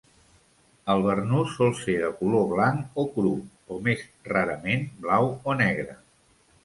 El barnús sol ser de color blanc o cru, o més rarament blau o negre.